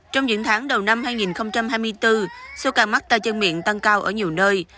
trong những tháng đầu năm hai nghìn hai mươi bốn số ca mắc tay chân miệng tăng cao ở nhiều nơi